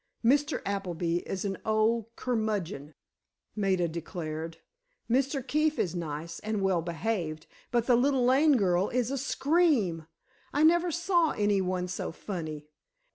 "Mr. Appleby is an old curmudgeon," Maida declared; "Mr. Keefe is nice and well behaved; but the little Lane girl is a scream! I never saw any one so funny.